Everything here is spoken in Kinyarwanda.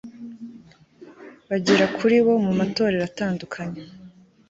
bagera kuri bo mu matorero atandukanye